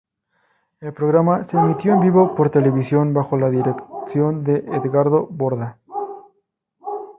El programa se emitió en vivo por televisión, bajo la dirección de Edgardo Borda.